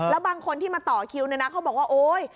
แล้วบางคนที่มาต่อคิวเนี่ยนะเขาบอกว่าโอ๊ย